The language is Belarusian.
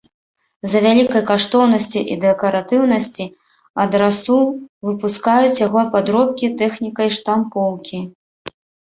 З-за вялікай каштоўнасці і дэкаратыўнасці адрасу выпускаюць яго падробкі тэхнікай штампоўкі.